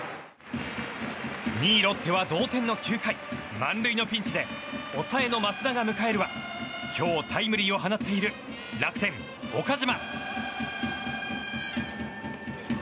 ２位、ロッテは同点の９回満塁のピンチで抑えの益田が迎えるは今日、タイムリーを放っている楽天、岡島。